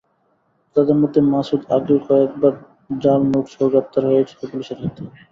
তাঁদের মধ্যে মাসুদ আগেও কয়েকবার জাল নোটসহ গ্রেপ্তার হয়েছিলেন পুলিশের হাতে।